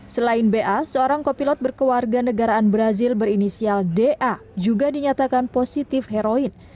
selain ba seorang kopilot berkewarga negaraan brazil berinisial da juga dinyatakan positif heroin